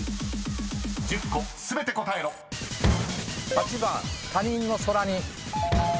８番他人の空似。